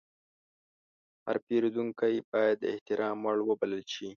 هر پیرودونکی باید د احترام وړ وبلل شي.